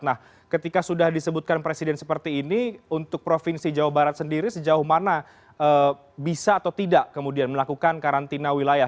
nah ketika sudah disebutkan presiden seperti ini untuk provinsi jawa barat sendiri sejauh mana bisa atau tidak kemudian melakukan karantina wilayah